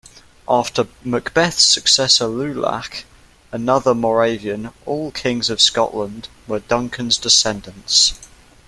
After Macbeth's successor Lulach, another Moravian, all kings of Scotland were Duncan's descendants.